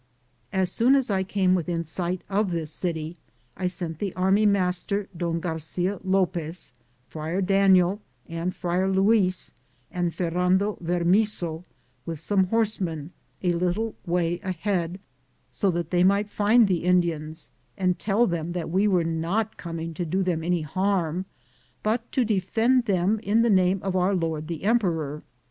As soon as I came within sight of this city, I sent the army master, Don Garcia Lopez, Friar Daniel and Friar Luis, and Fer rando Vermizzo, with some horsemen, a little way ahead, so that they might find the In dians and tell them that we were not coming to do them any harm, but to defend them in the name of our lord the Emperor.